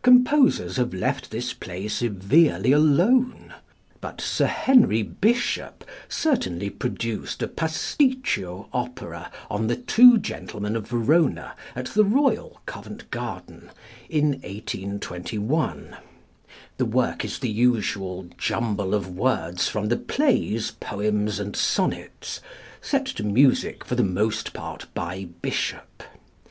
composers have left this play severely alone; but +Sir Henry Bishop+ certainly produced a pasticcio opera on The Two Gentlemen of Verona at the Royal, Covent Garden, in 1821. The work is the usual jumble of words from the plays, poems, and sonnets, set to music for the most part by Bishop.